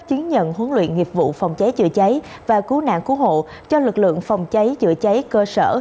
chứng nhận huấn luyện nghiệp vụ phòng cháy chữa cháy và cứu nạn cứu hộ cho lực lượng phòng cháy chữa cháy cơ sở